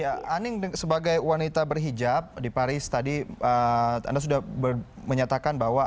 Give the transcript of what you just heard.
ya aning sebagai wanita berhijab di paris tadi anda sudah menyatakan bahwa